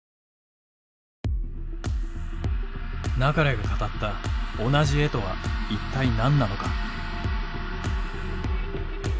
流が語った「同じ絵」とは一体何なのか。